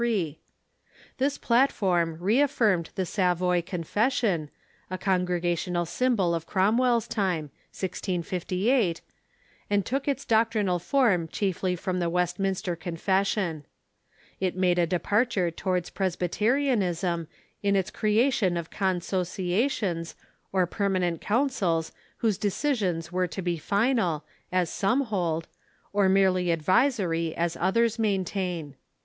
This platform reaffirmed the Savoy Confession, a Congregational symbol of Cromwell's time (1658), and took its doctrinal form chiefly from the Westminster Confession. It made a departure towards Presbyterianism in its creation of consociations or permanent councils whose decisions were to be final, as some hold, or merely advisor}^ as others maintain.